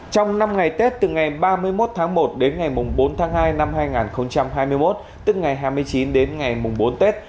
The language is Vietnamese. trong năm ngày tết từ ngày ba mươi một tháng một đến ngày bốn tháng hai năm hai nghìn hai mươi một tức ngày hai mươi chín đến ngày mùng bốn tết